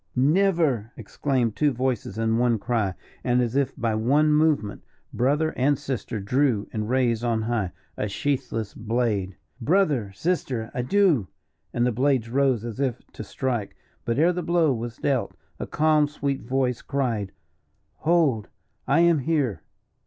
"Never!" exclaimed two voices in one cry, and, as if by one movement, brother and sister drew, and raised on high, a sheathless blade. "Brother sister adieu!" and the blades rose as if to strike but ere the blow was dealt, a calm, sweet voice cried "Hold! I am here."